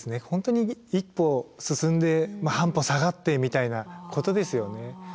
本当に１歩進んで半歩下がってみたいなことですよね。